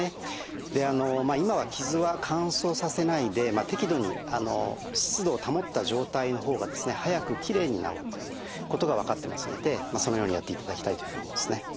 今は傷は乾燥させないで適度に湿度を保った状態の方が早くきれいに治るということが分かってますのでそのようにやっていただきたいというふうに思うんですね。